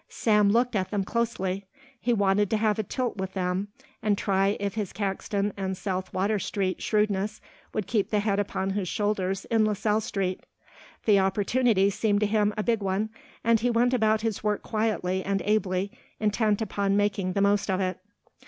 Sam looked at them closely. He wanted to have a tilt with them and try if his Caxton and South Water Street shrewdness would keep the head upon his shoulders in LaSalle Street. The opportunity seemed to him a big one and he went about his work quietly and ably, intent upon making the most of it.